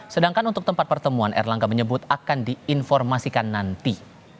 sedangkan untuk tempat pertemuan erlangga menyebut akan diinformasikan nanti